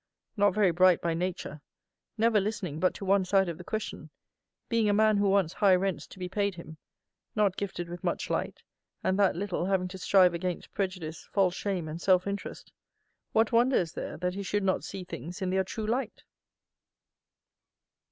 Not very bright by nature; never listening but to one side of the question; being a man who wants high rents to be paid him; not gifted with much light, and that little having to strive against prejudice, false shame, and self interest, what wonder is there that he should not see things in their true light?